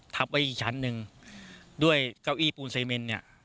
ทับไว้อีกชั้นหนึ่งด้วยเก้าอี้ปูนไซเมนเนี่ย